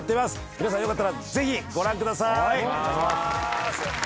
皆さんよかったらぜひご覧ください！